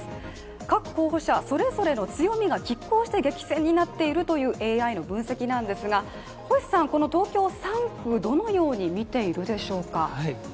各候補者、それぞれの強みがきっ抗して激戦になっているという分析なんですがこの東京３区、どのように見ているでしょうか？